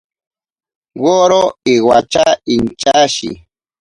Woro iwatya inchashi.